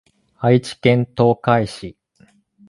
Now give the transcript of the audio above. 愛知県東海市